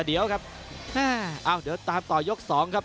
เดี๋ยวตามต่อยก๒ครับ